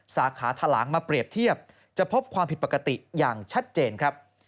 สาขาทะลางมาเปรียบเทียบจะพบความผิดปกติอย่างชัดเจนครับ